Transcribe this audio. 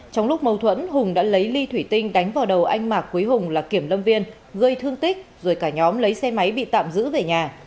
trong lúc mâu thuẫn hùng đã lấy ly thủy tinh đánh vào đầu anh mạc quý hùng là kiểm lâm viên gây thương tích rồi cả nhóm lấy xe máy bị tạm giữ về nhà